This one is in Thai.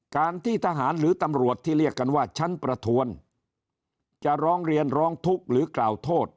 การที่ทหารหรือตำรวจที่เรียกกันว่าชั้นประทวนจะร้องเรียนร้องทุกข์หรือกล่าวโทษ